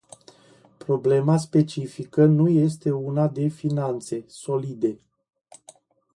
Problema specifică nu este una de finanțe "solide”.